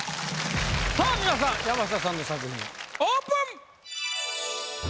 さぁ皆さん山下さんの作品オープン！